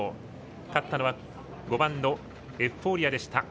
勝ったのは５番のエフフォーリアでした。